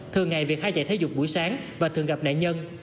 thường ngày việt khai chạy thể dục buổi sáng và thường gặp nạn nhân